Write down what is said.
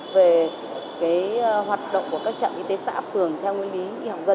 việc nhân rộng